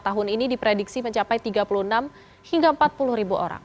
tahun ini diprediksi mencapai tiga puluh enam hingga empat puluh ribu orang